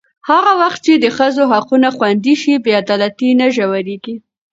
هغه وخت چې د ښځو حقونه خوندي شي، بې عدالتي نه ژورېږي.